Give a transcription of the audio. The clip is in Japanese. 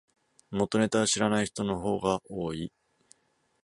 元ネタ知らない人の方が多い